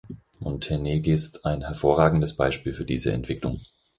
Montenegist ein hervorragendes Beispiel für diese Entwicklung.